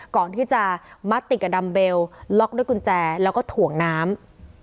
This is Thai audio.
ก่อนที่จะมัดติดกับดัมเบลล็อกด้วยกุญแจแล้วก็ถ่วงน้ำ